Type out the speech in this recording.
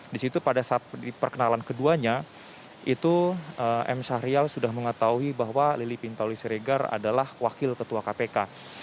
di situ pada saat di perkenalan keduanya itu m syahrial sudah mengetahui bahwa lili pintauli siregar adalah wakil ketua kpk